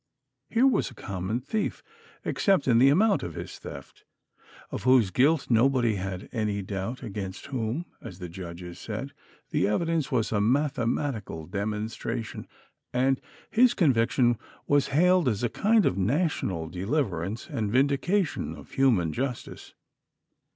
Here was a common thief, except in the amount of his theft, of whose guilt nobody had any doubt, against whom, as the judge said, the evidence was a mathematical demonstration, and his conviction was hailed as a kind of national deliverance and vindication of human justice.